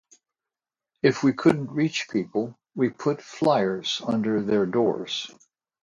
If we couldn’t reach people, we put flyers under their doors.